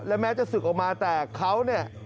แล้วแม้จะศึกออกมาแต่เขา